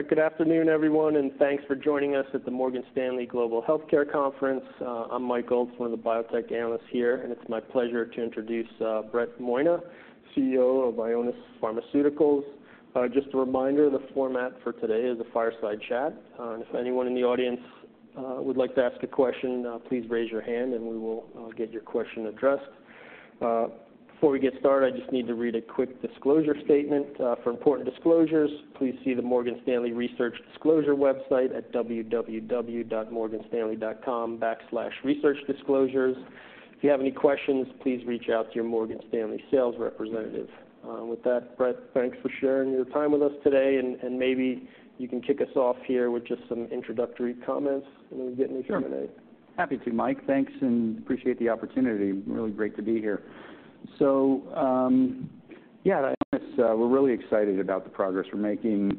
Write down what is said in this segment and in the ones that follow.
All right. Good afternoon, everyone, and thanks for joining us at the Morgan Stanley Global Healthcare Conference. I'm Mike Gold, one of the biotech analysts here, and it's my pleasure to introduce Brett Monia, CEO of Ionis Pharmaceuticals. Just a reminder, the format for today is a fireside chat. And if anyone in the audience would like to ask a question, please raise your hand, and we will get your question addressed. Before we get started, I just need to read a quick disclosure statement. "For important disclosures, please see the Morgan Stanley Research Disclosure website at www.morganstanley.com/researchdisclosures. If you have any questions, please reach out to your Morgan Stanley sales representative." With that, Brett, thanks for sharing your time with us today, and maybe you can kick us off here with just some introductory comments, and then we get into Q&A. Sure. Happy to, Mike. Thanks, and appreciate the opportunity. Really great to be here. So, at Ionis, we're really excited about the progress we're making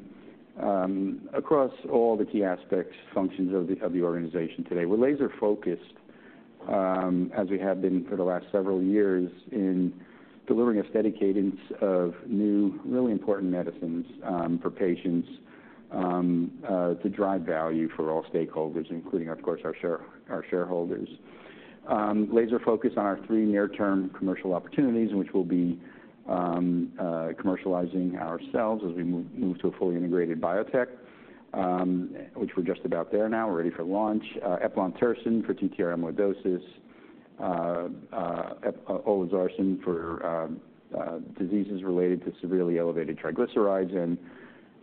across all the key aspects, functions of the organization today. We're laser-focused, as we have been for the last several years, in delivering a steady cadence of new, really important medicines for patients to drive value for all stakeholders, including, of course, our shareholders. Laser-focused on our three near-term commercial opportunities, which will be commercializing ourselves as we move to a fully integrated biotech, which we're just about there now. We're ready for launch. eplontersen for TTR amyloidosis, olezarsen for diseases related to severely elevated triglycerides, and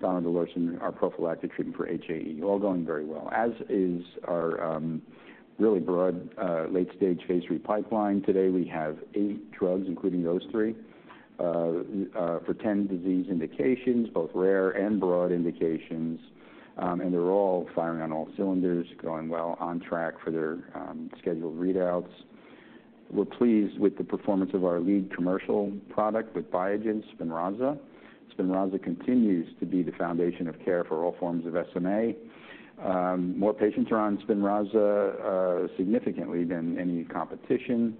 donidalorsen, our prophylactic treatment for HAE, all going very well, as is our really broad late-stage phase III pipeline. Today, we have eight drugs, including those three, for 10 disease indications, both rare and broad indications. They're all firing on all cylinders, going well on track for their scheduled readouts. We're pleased with the performance of our lead commercial product with Biogen, Spinraza. Spinraza continues to be the foundation of care for all forms of SMA. More patients are on Spinraza significantly than any competition,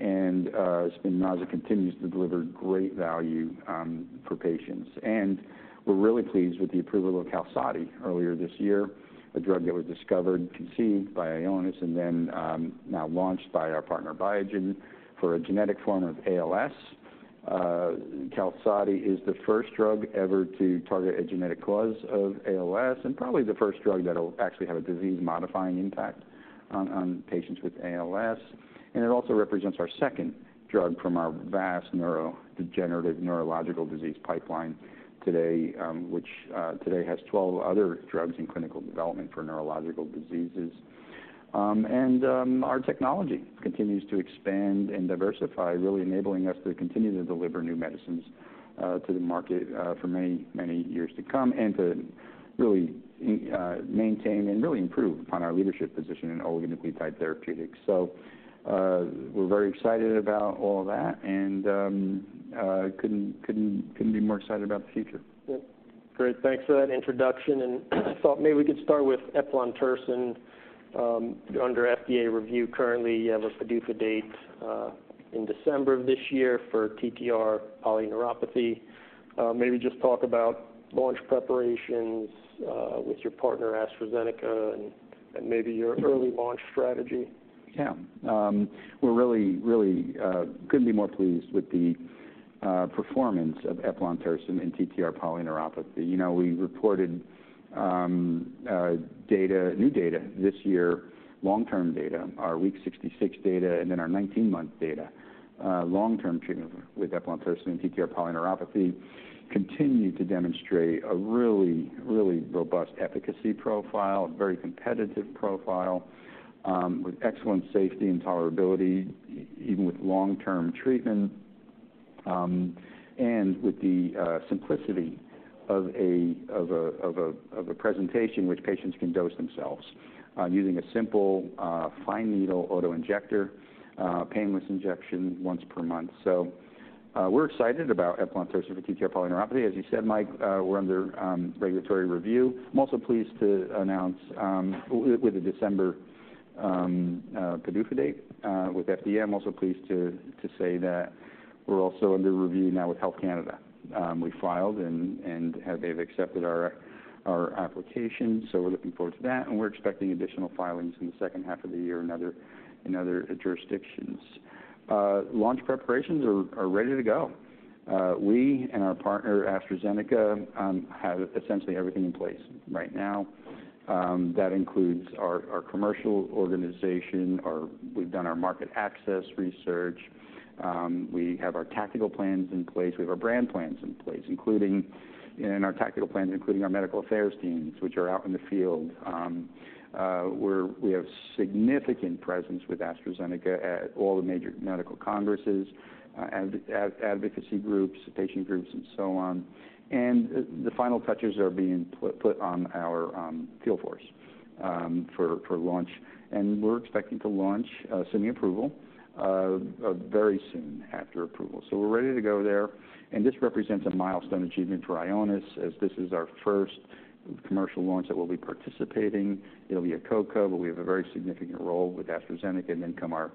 and Spinraza continues to deliver great value for patients. We're really pleased with the approval of QALSODY earlier this year, a drug that was discovered and conceived by Ionis, and then now launched by our partner, Biogen, for a genetic form of ALS. QALSODY is the first drug ever to target a genetic cause of ALS, and probably the first drug that'll actually have a disease-modifying impact on patients with ALS. It also represents our second drug from our vast neurodegenerative neurological disease pipeline today, which today has 12 other drugs in clinical development for neurological diseases. Our technology continues to expand and diversify, really enabling us to continue to deliver new medicines to the market for many, many years to come, and to really maintain and really improve upon our leadership position in oligonucleotide therapeutics. So, we're very excited about all that, and couldn't be more excited about the future. Yeah. Great. Thanks for that introduction, and I thought maybe we could start with eplontersen under FDA review. Currently, you have a PDUFA date in December of this year for TTR polyneuropathy. Maybe just talk about launch preparations with your partner, AstraZeneca, and maybe your early launch strategy? Yeah. We're really, really couldn't be more pleased with the performance of eplontersen in TTR polyneuropathy. You know, we reported data, new data this year, long-term data, our week 66 data, and then our 19-month data. Long-term treatment with eplontersen in TTR polyneuropathy continued to demonstrate a really, really robust efficacy profile, a very competitive profile, with excellent safety and tolerability, even with long-term treatment. And with the simplicity of a presentation which patients can dose themselves, using a simple fine needle auto-injector, painless injection once per month. So, we're excited about eplontersen for TTR polyneuropathy. As you said, Mike, we're under regulatory review. I'm also pleased to announce with a December PDUFA date with FDA. I'm also pleased to say that we're also under review now with Health Canada. We filed, and they've accepted our application, so we're looking forward to that, and we're expecting additional filings in the second half of the year in other jurisdictions. Launch preparations are ready to go. We and our partner, AstraZeneca, have essentially everything in place right now. That includes our commercial organization. Our-- We've done our market access research. We have our tactical plans in place. We have our brand plans in place, including in our tactical plans, including our medical affairs teams, which are out in the field. We have significant presence with AstraZeneca at all the major medical congresses, advocacy groups, patient groups, and so on. The final touches are being put on our field force for launch. We're expecting to launch pending approval very soon after approval. We're ready to go there, and this represents a milestone achievement for Ionis, as this is our first commercial launch that we'll be participating. It'll be a co-co, but we have a very significant role with AstraZeneca and then come our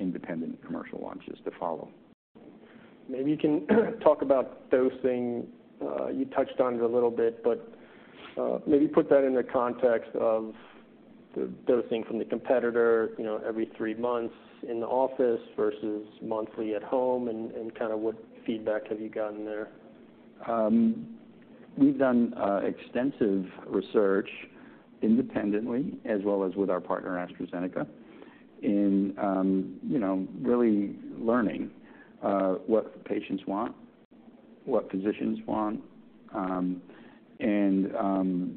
independent commercial launches to follow.... maybe you can talk about dosing. You touched on it a little bit, but maybe put that into context of the dosing from the competitor, you know, every three months in the office versus monthly at home, and kind of what feedback have you gotten there? We've done extensive research independently as well as with our partner, AstraZeneca, in you know, really learning what patients want, what physicians want. And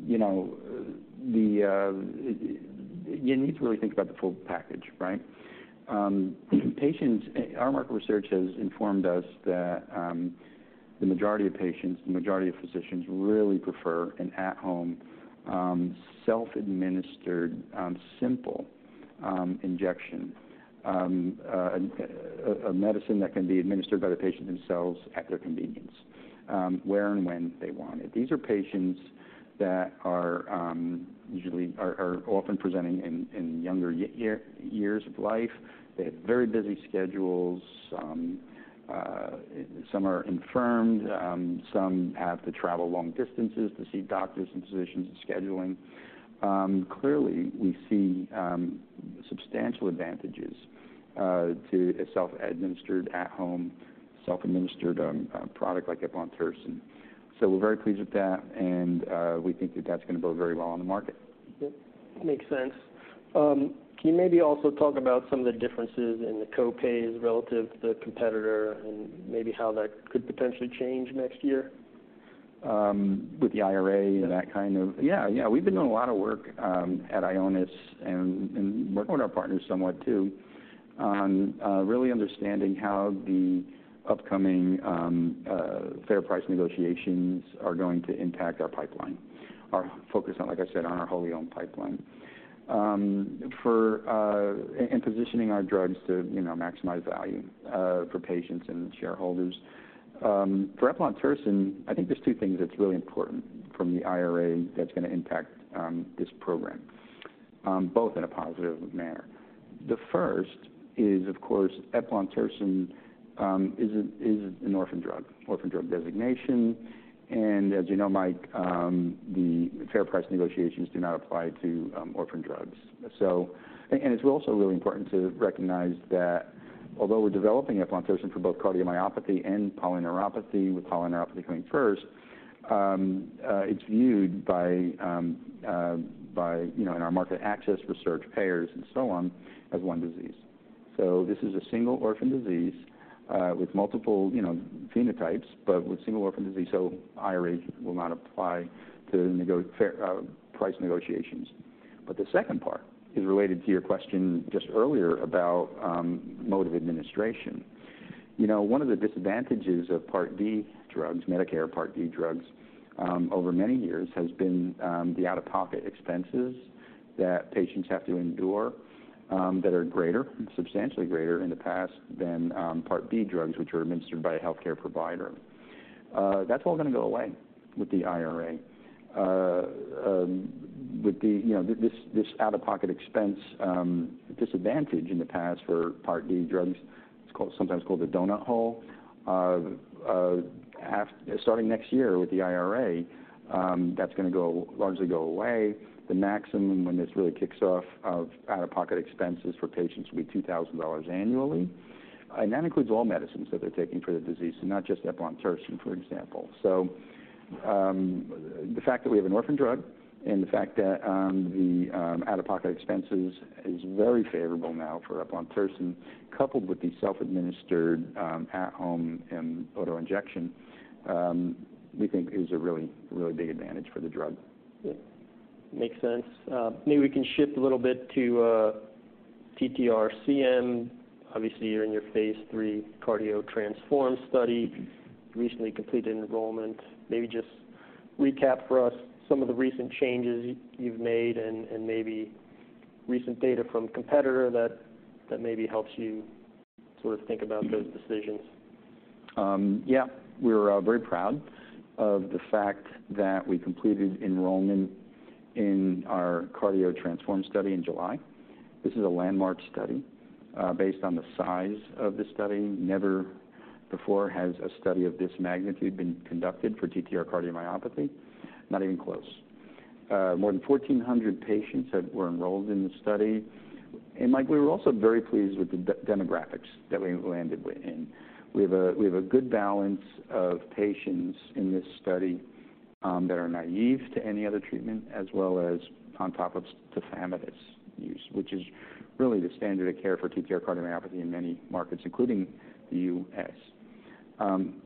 you know, you need to really think about the full package, right? Patients, our market research has informed us that the majority of patients, the majority of physicians really prefer an at-home self-administered simple injection. A medicine that can be administered by the patient themselves at their convenience, where and when they want it. These are patients that usually are often presenting in younger years of life. They have very busy schedules. Some are infirmed. Some have to travel long distances to see doctors and physicians and scheduling. Clearly, we see substantial advantages to a self-administered, at-home, self-administered product like eplontersen. So we're very pleased with that, and we think that that's gonna go very well on the market. Yep, makes sense. Can you maybe also talk about some of the differences in the co-pays relative to the competitor and maybe how that could potentially change next year? With the IRA- Yeah... and that kind of? Yeah, yeah, we've been doing a lot of work at Ionis and working with our partners somewhat too on really understanding how the upcoming fair price negotiations are going to impact our pipeline. Our focus on, like I said, on our wholly owned pipeline. For and positioning our drugs to, you know, maximize value for patients and shareholders. For eplontersen, I think there's two things that's really important from the IRA that's gonna impact this program both in a positive manner. The first is, of course, eplontersen is an orphan drug, orphan drug designation. And as you know, Mike, the fair price negotiations do not apply to orphan drugs. So... and it's also really important to recognize that although we're developing eplontersen for both cardiomyopathy and polyneuropathy, with polyneuropathy coming first, it's viewed by, you know, in our market access research, payers and so on, as one disease. So this is a single orphan disease, with multiple, you know, phenotypes, but with single orphan disease, so IRA will not apply to fair price negotiations. But the second part is related to your question just earlier about, mode of administration. You know, one of the disadvantages of Part D drugs, Medicare Part D drugs, over many years has been, the out-of-pocket expenses that patients have to endure, that are greater, substantially greater in the past than, Part B drugs, which are administered by a healthcare provider. That's all gonna go away with the IRA. With the, you know, this out-of-pocket expense disadvantage in the past for Part D drugs, it's called, sometimes called the donut hole. Starting next year with the IRA, that's gonna largely go away. The maximum, when this really kicks off, of out-of-pocket expenses for patients will be $2,000 annually, and that includes all medicines that they're taking for the disease, and not just eplontersen, for example. So, the fact that we have an orphan drug and the fact that the out-of-pocket expenses is very favorable now for eplontersen, coupled with the self-administered at-home and auto-injection, we think is a really, really big advantage for the drug. Yeah, makes sense. Maybe we can shift a little bit to TTR-CM. Obviously, you're in your phase III CARDIO-TTRansform study, recently completed enrollment. Maybe just recap for us some of the recent changes you've made and maybe recent data from competitor that maybe helps you sort of think about those decisions. Yeah. We're very proud of the fact that we completed enrollment in our CARDIO-TTRansform study in July. This is a landmark study based on the size of the study. Never before has a study of this magnitude been conducted for TTR cardiomyopathy, not even close. More than 1,400 patients were enrolled in the study. And Mike, we were also very pleased with the demographics that we landed within. We have a good balance of patients in this study that are naive to any other treatment, as well as on top of tafamidis use, which is really the standard of care for TTR cardiomyopathy in many markets, including the U.S.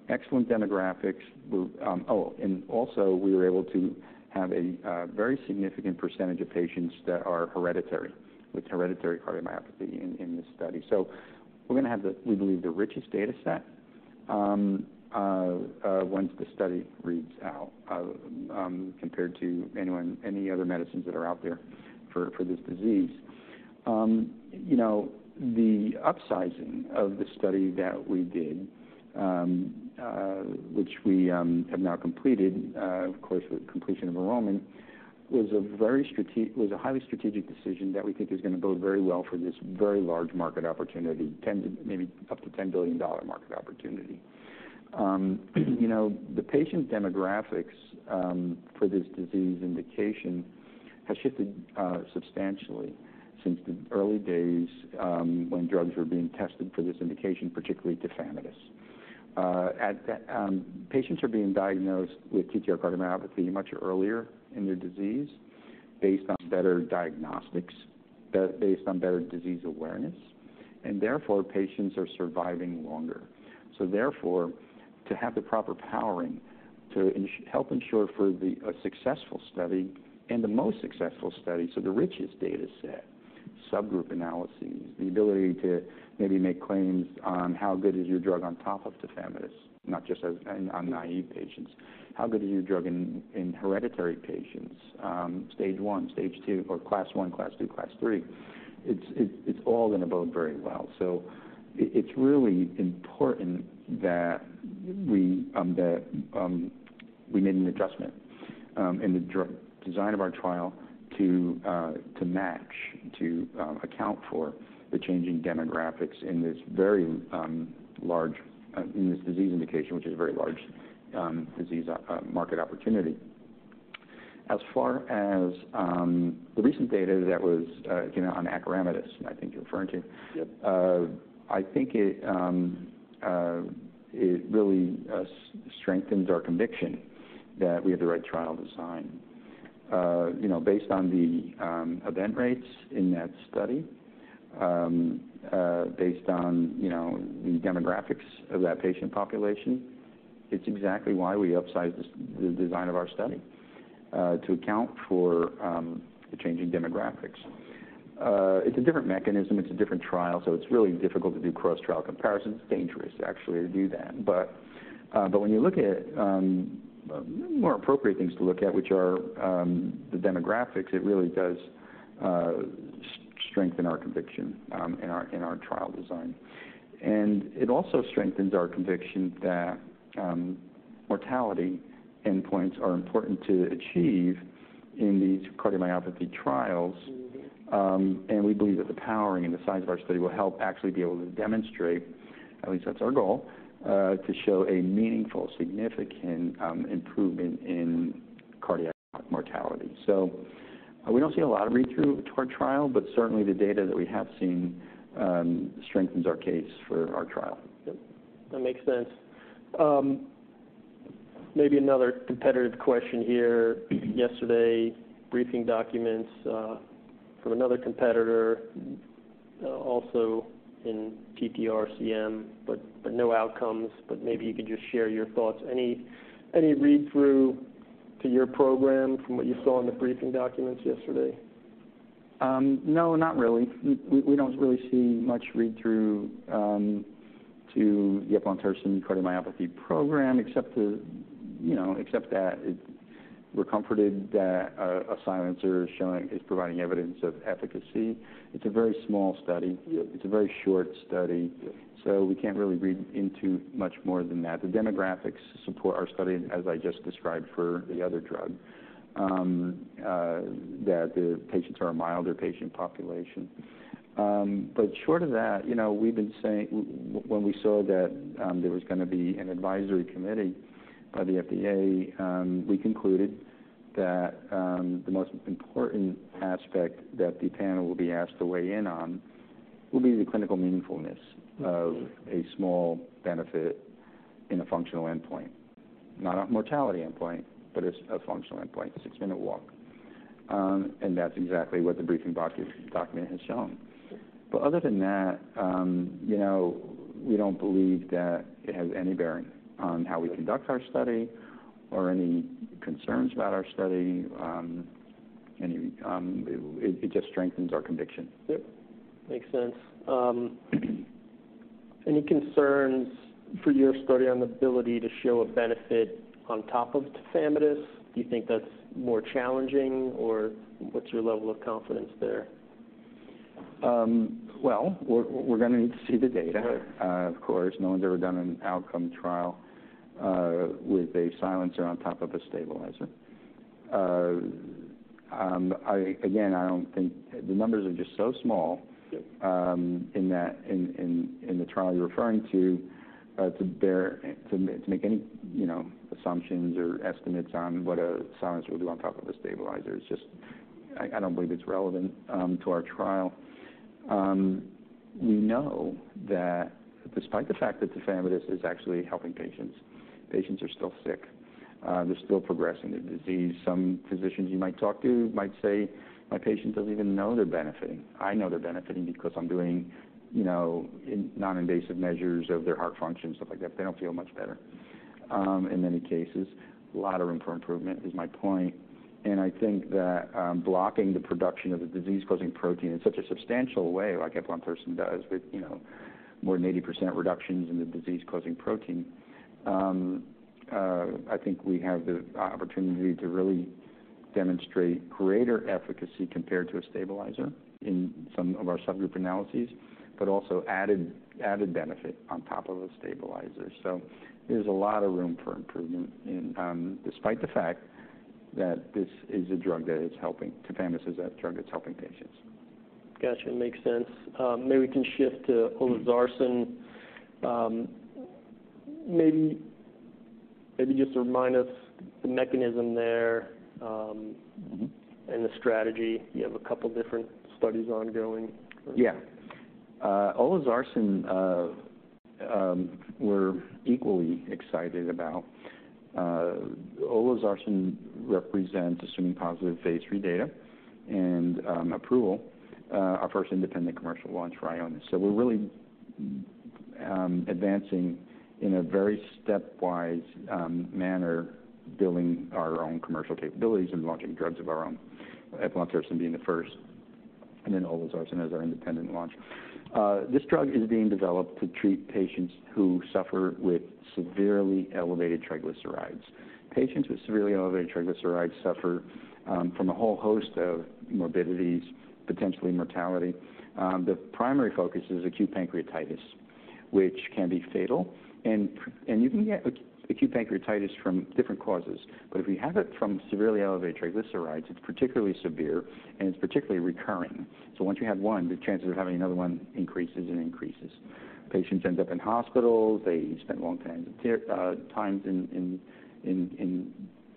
Excellent demographics. We're... Oh, and also, we were able to have a very significant percentage of patients that are hereditary, with hereditary cardiomyopathy in this study. So we're gonna have the, we believe, the richest data set once the study reads out, compared to anyone, any other medicines that are out there for this disease. You know, the upsizing of the study that we did, which we have now completed, of course, with completion of enrollment, was a highly strategic decision that we think is going to bode very well for this very large market opportunity, 10 to maybe up to $10 billion market opportunity. You know, the patient demographics for this disease indication has shifted substantially since the early days, when drugs were being tested for this indication, particularly tafamidis. Patients are being diagnosed with TTR cardiomyopathy much earlier in their disease based on better diagnostics, based on better disease awareness, and therefore, patients are surviving longer. So therefore, to have the proper powering to help ensure for the, a successful study and the most successful study, so the richest data set, subgroup analyses, the ability to maybe make claims on how good is your drug on top of tafamidis, not just as on, on naive patients. How good is your drug in, in hereditary patients, stage one, stage two, or Class I, Class II, Class III? It's all going to bode very well. So it's really important that we that we made an adjustment in the design of our trial to to match to account for the changing demographics in this very large in this disease indication, which is a very large disease market opportunity. As far as the recent data that was you know on tafamidis, I think you're referring to. Yep. I think it really strengthens our conviction that we have the right trial design. You know, based on the event rates in that study, based on the demographics of that patient population, it's exactly why we upsized the design of our study to account for the changing demographics. It's a different mechanism. It's a different trial, so it's really difficult to do cross-trial comparisons. It's dangerous, actually, to do that. But when you look at more appropriate things to look at, which are the demographics, it really does strengthen our conviction in our trial design. And it also strengthens our conviction that mortality endpoints are important to achieve in these cardiomyopathy trials. Mm-hmm. And we believe that the powering and the size of our study will help actually be able to demonstrate, at least that's our goal, to show a meaningful, significant improvement in cardiac mortality. So we don't see a lot of read-through to our trial, but certainly, the data that we have seen strengthens our case for our trial. Yep, that makes sense. Maybe another competitive question here. Yesterday, briefing documents from another competitor also in TTRCM, but no outcomes. Maybe you could just share your thoughts. Any read-through to your program from what you saw in the briefing documents yesterday? No, not really. We don't really see much read-through to the eplontersen cardiomyopathy program, except, you know, except that it... We're comforted that a silencer is showing- is providing evidence of efficacy. It's a very small study. It's a very short study, so we can't really read into much more than that. The demographics support our study, as I just described for the other drug, that the patients are a milder patient population. But short of that, you know, we've been saying, when we saw that there was going to be an advisory committee by the FDA, we concluded that the most important aspect that the panel will be asked to weigh in on will be the clinical meaningfulness- Mm-hmm. of a small benefit in a functional endpoint, not a mortality endpoint, but it's a functional endpoint, a 6-minute walk. And that's exactly what the briefing document has shown. Yep. But other than that, you know, we don't believe that it has any bearing on how we conduct our study or any concerns about our study. It just strengthens our conviction. Yep, makes sense. Any concerns for your study on the ability to show a benefit on top of tafamidis? Do you think that's more challenging, or what's your level of confidence there? Well, we're going to need to see the data. Right. Of course, no one's ever done an outcome trial with a silencer on top of a stabilizer. I again, I don't think... The numbers are just so small- Yep... in that in the trial you're referring to, to make any, you know, assumptions or estimates on what a silencer will do on top of a stabilizer. It's just, I don't believe it's relevant to our trial. We know that despite the fact that tafamidis is actually helping patients, patients are still sick. They're still progressing their disease. Some physicians you might talk to might say, "My patient doesn't even know they're benefiting. I know they're benefiting because I'm doing, you know, in non-invasive measures of their heart function, stuff like that. But they don't feel much better," in many cases. A lot of room for improvement is my point, and I think that, blocking the production of the disease-causing protein in such a substantial way, like eplontersen does, with, you know, more than 80% reductions in the disease-causing protein, I think we have the opportunity to really demonstrate greater efficacy compared to a stabilizer in some of our subgroup analyses, but also added, added benefit on top of a stabilizer. So there's a lot of room for improvement in, despite the fact that this is a drug that is helping. Tafamidis is a drug that's helping patients. Got you. Makes sense. Maybe we can shift to olezarsen. Maybe, maybe just remind us the mechanism there, Mm-hmm. The strategy. You have a couple different studies ongoing. Yeah. Olezarsen, we're equally excited about. Olezarsen represents, assuming positive phase III data and approval, our first independent commercial launch for Ionis. So we're really advancing in a very stepwise manner, building our own commercial capabilities and launching drugs of our own, eplontersen being the first, and then olezarsen as our independent launch. This drug is being developed to treat patients who suffer with severely elevated triglycerides. Patients with severely elevated triglycerides suffer from a whole host of morbidities, potentially mortality. The primary focus is acute pancreatitis, which can be fatal. And you can get acute pancreatitis from different causes, but if you have it from severely elevated triglycerides, it's particularly severe, and it's particularly recurring. So once you have one, the chances of having another one increases and increases. Patients end up in hospitals. They spend long times in care, times in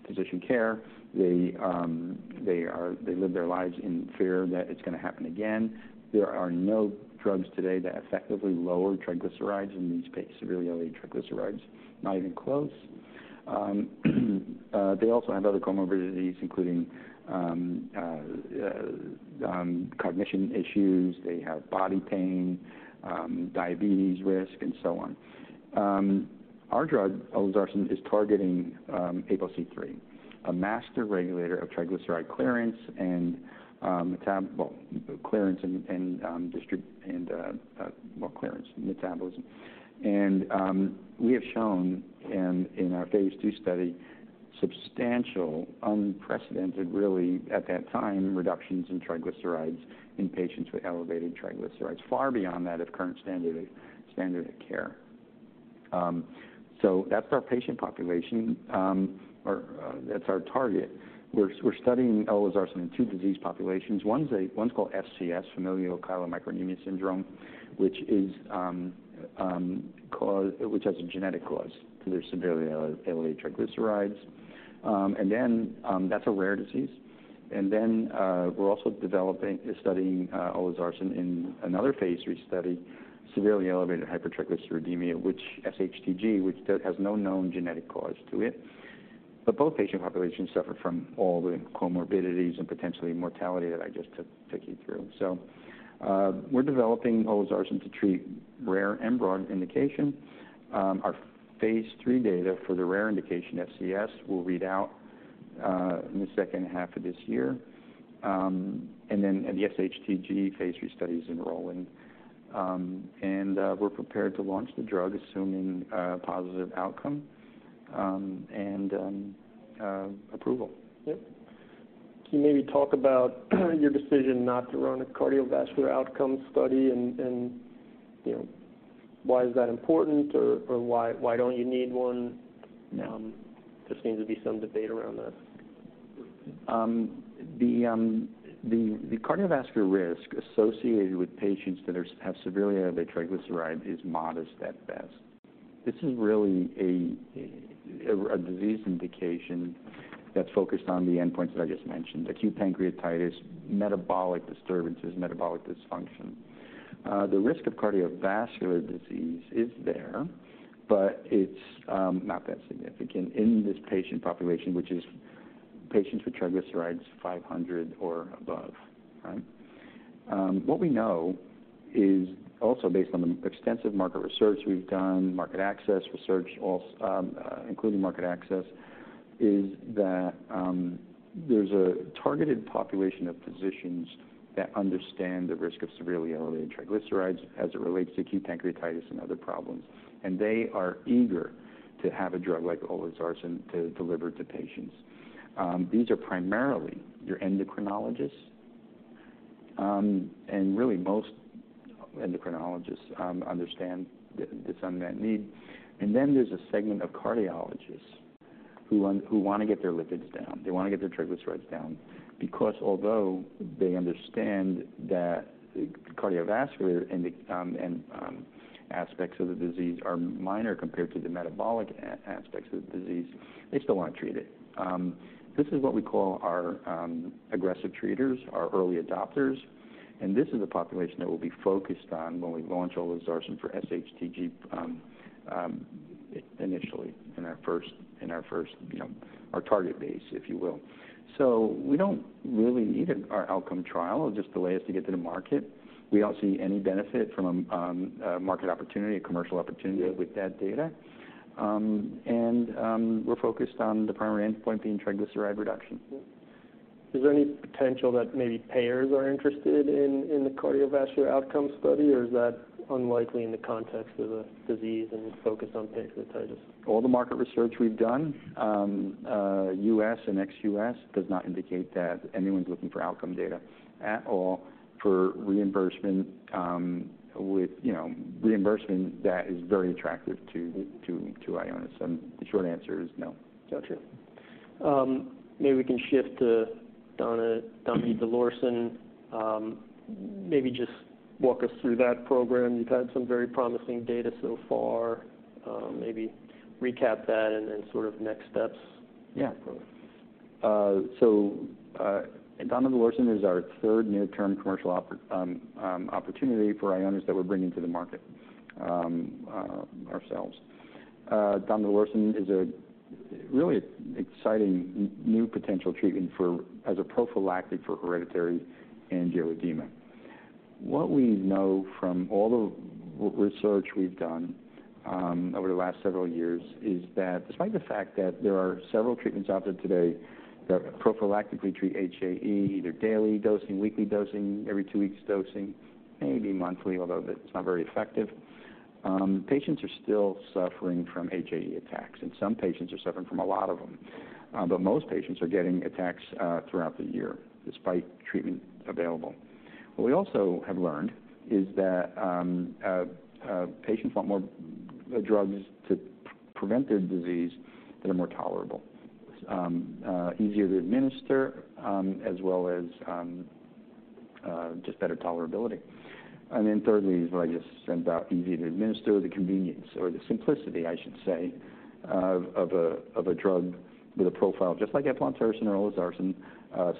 physician care. They are. They live their lives in fear that it's gonna happen again. There are no drugs today that effectively lower triglycerides in these severely elevated triglycerides, not even close. They also have other comorbidities, including cognition issues. They have body pain, diabetes risk, and so on. Our drug, olezarsen, is targeting APOC3, a master regulator of triglyceride clearance and, well, clearance and, and, well, clearance and metabolism. And we have shown in our phase II study, substantial, unprecedented, really, at that time, reductions in triglycerides in patients with elevated triglycerides, far beyond that of current standard of care. So that's our patient population, or that's our target. We're studying olezarsen in two disease populations. One's called FCS, familial chylomicronemia syndrome, which has a genetic cause to their severely elevated triglycerides. And then, that's a rare disease. And then, we're also developing and studying olezarsen in another phase III study, severely elevated hypertriglyceridemia, which SHTG, which has no known genetic cause to it. But both patient populations suffer from all the comorbidities and potentially mortality that I just took you through. So, we're developing olezarsen to treat rare and broad indication. Our phase III data for the rare indication, FCS, will read out in the second half of this year. And then, the SHTG phase III study is enrolling. And, we're prepared to launch the drug, assuming a positive outcome and approval. Yep. Can you maybe talk about your decision not to run a cardiovascular outcome study, and you know, why is that important or why don't you need one? Um. Just seems to be some debate around that. The cardiovascular risk associated with patients that have severely elevated triglycerides is modest at best. This is really a disease indication that's focused on the endpoints that I just mentioned, acute pancreatitis, metabolic disturbances, metabolic dysfunction. The risk of cardiovascular disease is there, but it's not that significant in this patient population, which is patients with triglycerides 500 or above, right? What we know is also based on the extensive market research we've done, market access research, also including market access, is that there's a targeted population of physicians that understand the risk of severely elevated triglycerides as it relates to acute pancreatitis and other problems, and they are eager to have a drug like olezarsen to deliver to patients. These are primarily your endocrinologists, and really, most endocrinologists understand this unmet need. And then there's a segment of cardiologists who want to get their lipids down. They want to get their triglycerides down because although they understand that the cardiovascular aspects of the disease are minor compared to the metabolic aspects of the disease, they still want to treat it. This is what we call our aggressive treaters, our early adopters, and this is the population that we'll be focused on when we launch olezarsen for SHTG initially in our first, you know, our target base, if you will. So we don't really need an outcome trial. It'll just delay us to get to the market. We don't see any benefit from a market opportunity, a commercial opportunity- Yeah... with that data. We're focused on the primary endpoint being triglyceride reduction. ... Is there any potential that maybe payers are interested in, in the cardiovascular outcome study, or is that unlikely in the context of the disease and the focus on patient status? All the market research we've done, U.S. and ex-U.S., does not indicate that anyone's looking for outcome data at all for reimbursement. With, you know, reimbursement that is very attractive to Ionis. The short answer is no. Got you. Maybe we can shift to donidalorsen. Maybe just walk us through that program. You've had some very promising data so far. Maybe recap that and then sort of next steps. Yeah. So, donidalorsen is our third near-term commercial opportunity for Ionis that we're bringing to the market ourselves. Donidalorsen is a really exciting new potential treatment for as a prophylactic for hereditary angioedema. What we know from all the research we've done over the last several years is that despite the fact that there are several treatments out there today that prophylactically treat HAE, either daily dosing, weekly dosing, every two weeks dosing, maybe monthly, although that's not very effective, patients are still suffering from HAE attacks, and some patients are suffering from a lot of them. But most patients are getting attacks throughout the year, despite treatment available. What we also have learned is that patients want more drugs to prevent their disease that are more tolerable, easier to administer, as well as just better tolerability. And then thirdly, what I just said about easy to administer, the convenience or the simplicity, I should say, of a drug with a profile just like eplontersen or olezarsen,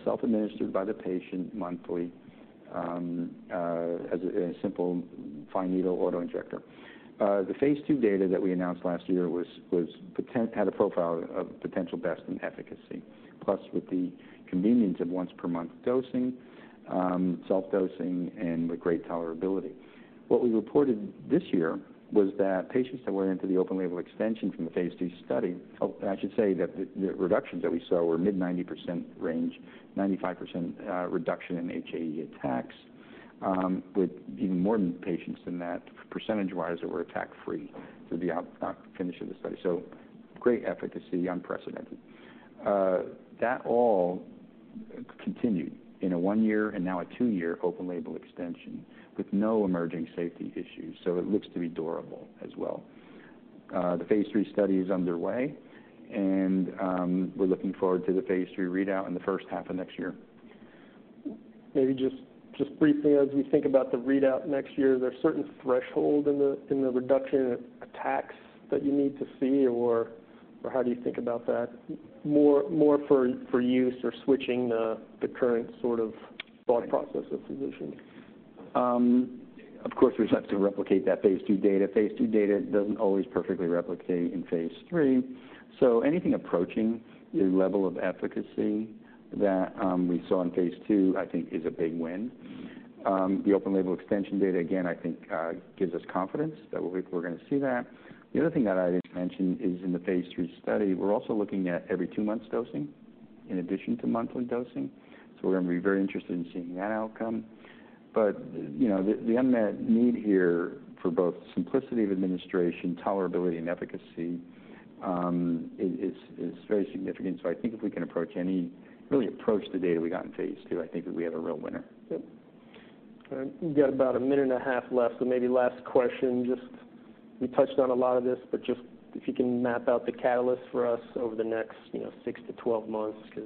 self-administered by the patient monthly, as a simple fine needle auto-injector. The phase II data that we announced last year had a profile of potential best-in-efficacy, plus with the convenience of once per month dosing, self-dosing, and with great tolerability. What we reported this year was that patients that went into the open label extension from the phase II study. Oh, I should say that the reductions that we saw were mid-90% range, 95% reduction in HAE attacks, with even more patients than that, percentage-wise, that were attack-free through the finish of the study. So great efficacy, unprecedented. That all continued in a one year and now a two year open label extension with no emerging safety issues, so it looks to be durable as well. The phase III study is underway, and we're looking forward to the phase III readout in the first half of next year. Maybe just briefly, as we think about the readout next year, there are certain thresholds in the reduction of attacks that you need to see or how do you think about that? More for use or switching the current sort of thought process of physicians. Of course, we just have to replicate that phase II data. phase II data doesn't always perfectly replicate in phase III. So anything approaching the level of efficacy that we saw in phase II, I think is a big win. The open label extension data, again, I think, gives us confidence that we're gonna see that. The other thing that I didn't mention is in the phase II study, we're also looking at every two months dosing in addition to monthly dosing. So we're gonna be very interested in seeing that outcome. But, you know, the unmet need here for both simplicity of administration, tolerability, and efficacy is very significant. So I think if we can approach, really approach the data we got in phase II, I think that we have a real winner. Yep. We've got about 1.5 minutes left, so maybe last question. Just, we touched on a lot of this, but just if you can map out the catalyst for us over the next, you know, six-12 months, 'cause-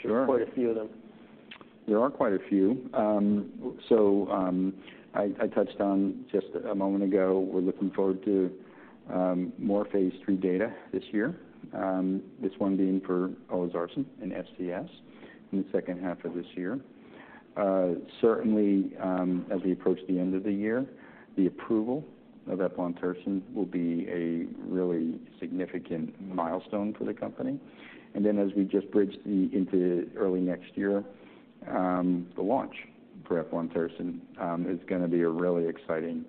Sure. There are quite a few of them. There are quite a few. So, I touched on just a moment ago, we're looking forward to more phase III data this year. This one being for olezarsen and FCS in the second half of this year. Certainly, as we approach the end of the year, the approval of eplontersen will be a really significant milestone for the company. And then as we just bridge into early next year, the launch for eplontersen is gonna be a really exciting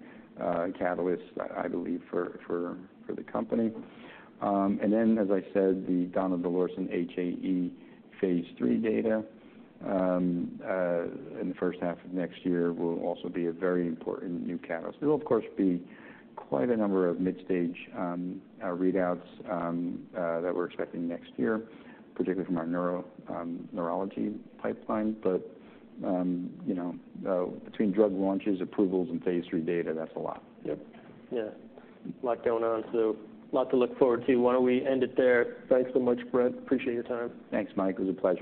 catalyst, I believe, for the company. And then, as I said, the donidalorsen HAE phase III data in the first half of next year will also be a very important new catalyst. There will, of course, be quite a number of mid-stage readouts that we're expecting next year, particularly from our neuro, neurology pipeline. But, you know, between drug launches, approvals, and phase III data, that's a lot. Yep. Yeah, a lot going on, so a lot to look forward to. Why don't we end it there? Thanks so much, Brett. Appreciate your time. Thanks, Mike. It was a pleasure.